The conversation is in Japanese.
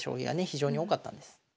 非常に多かったんです。